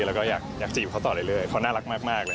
แล้วก็อยากจีบเขาต่อไปเรื่อยเขาน่ารักมากเลยครับ